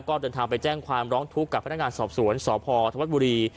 ก็เดินทางไปแจ้งความร้องทุกข์กับพนักงานสอบสวนสพธวัฒนบุรี